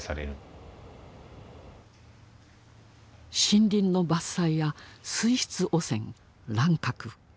森林の伐採や水質汚染乱獲。